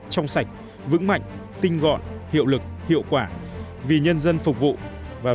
trong sạch vững mạnh tinh gọn hiệu lực hiệu quả